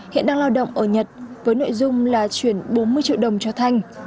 hiện đang lao động ở nhật với nội dung là chuyển bốn mươi triệu đồng cho thanh